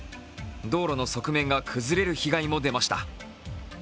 道路の側面が崩れる被害も出ました。